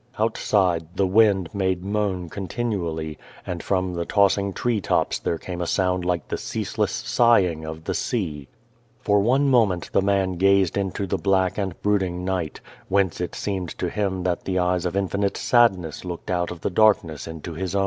Outside the wind made moan continually, and from the tossing tree tops there came a sound like the ceaseless sighing of the sea. For one moment the man gazed into the black and brooding night, whence it seemed to him that eyes of infinite sadness looked out of the darkness into his own.